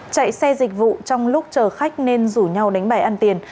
chạy xe dịch vụ trong lúc chờ khách nên rủ nhau đánh bài ăn tiền